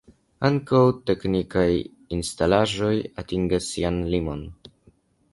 Ankaŭ teknikaj instalaĵoj atingas sian limon.